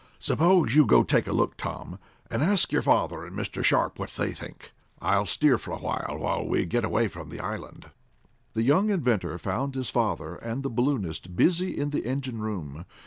Suppose you go take a look, Tom, and ask your father and Mr. Sharp what they think. I'll steer for a while, until we get well away from the island." The young inventor found his father and the balloonist busy in the engine room.